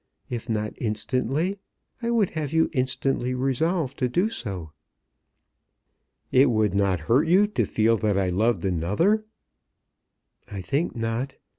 If not instantly, I would have you instantly resolve to do so." "It would not hurt you to feel that I loved another?" "I think not.